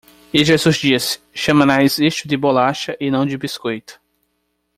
E Jesus disse, chamarás isto de bolacha e não de biscoito!